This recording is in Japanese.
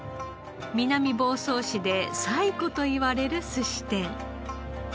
南房総市で最古といわれる寿司店。